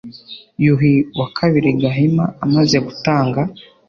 Yuhi II Gahima amaze gutanga,